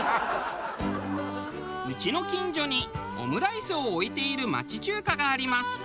うちの近所にオムライスを置いている町中華があります。